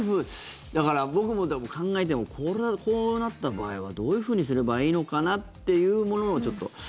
僕も考えてもこれはこうなった場合はどういうふうにすればいいのかなっていうものをちょっと。